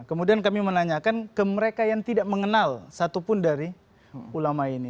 kemudian kami menanyakan ke mereka yang tidak mengenal satupun dari ulama ini